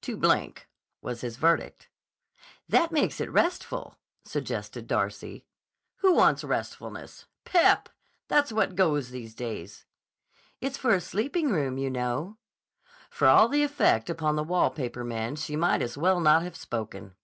"Too blank," was his verdict. "That makes it restful," suggested Darcy. "Who wants restfulness? Pep! That's what goes these days." "It's for a sleeping room, you know." For all the effect upon the wall paper man she might as well not have spoken.